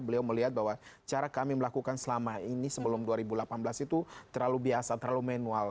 beliau melihat bahwa cara kami melakukan selama ini sebelum dua ribu delapan belas itu terlalu biasa terlalu manual